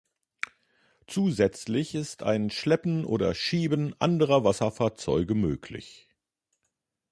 Zusätzlich ist ein Schleppen oder Schieben anderer Wasserfahrzeuge möglich.